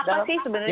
apa sih sebenarnya